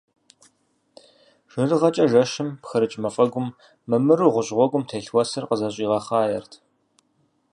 Жэрыжэкӏэ жэщым пхырыкӏ мафӏэгум, мэмыру гъущӏ гъуэгум телъ уэсыр къызэщӏигъэхъаерт.